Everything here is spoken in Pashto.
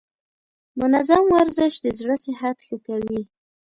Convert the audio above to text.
منظم ورزش د زړه صحت ښه کوي.